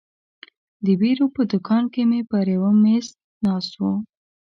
د بیرو په دوکان کې پر یوه مېز ناست وو.